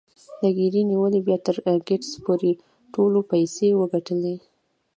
له ګيري نيولې بيا تر ګيټس پورې ټولو پيسې وګټلې.